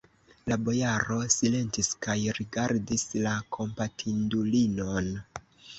La bojaro silentis kaj rigardis la kompatindulinon.